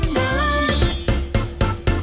ได้หรือไม่ได้ครับ